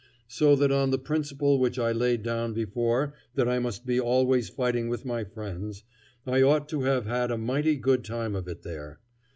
So that on the principle which I laid down before that I must be always fighting with my friends, I ought to have had a mighty good time of it there.